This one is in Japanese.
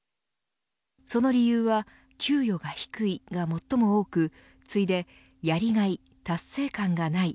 その理由は給与が低いが最も多く次いで、やりがい達成感がない。